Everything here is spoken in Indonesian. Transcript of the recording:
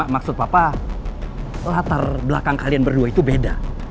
maksud papa latar belakang kalian berdua itu beda